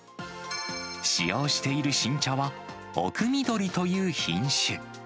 使用している新茶は、おくみどりという品種。